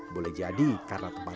boleh jadi karena tempatnya